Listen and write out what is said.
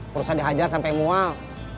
perusahaan dihajar sampai mual